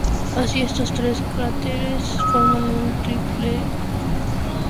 Así, estos tres cráteres forman un triplete de edad decreciente de oeste a este.